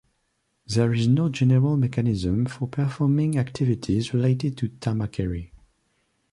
There is no general mechanism for performing activities related to tamakeri.